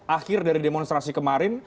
akhir dari demonstrasi kemarin